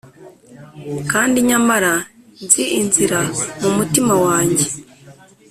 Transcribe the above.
kandi nyamara nzi inzira mumutima wanjye